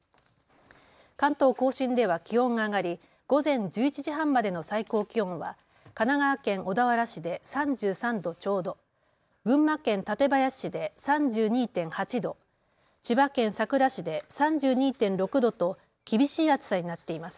関東甲信では気温が上がり午前１１時半までの最高気温は神奈川県小田原市で３３度ちょうど、群馬県館林市で３２．８度、千葉県佐倉市で３２．６度と厳しい暑さになっています。